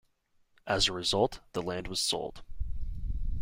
As a result, the land was sold.